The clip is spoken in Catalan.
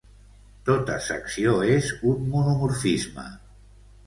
Tota secció és un monomorfisme.